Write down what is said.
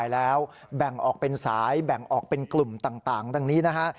แล้วแบ่งออกเป็นสายแบ่งออกเป็นกลุ่มต่างดังนี้นะฮะ